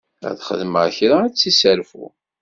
Ad xedmeɣ kra ad tt-yesserfu.